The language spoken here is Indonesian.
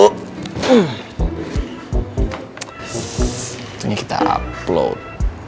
tentunya kita upload